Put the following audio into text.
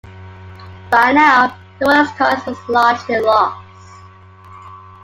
By now, the Royalist cause was largely lost.